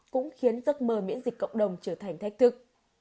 cũng khiến giấc mơ miễn dịch cộng đồng trở thành thách thức